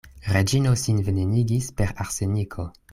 Reĝino sin venenigis per arseniko.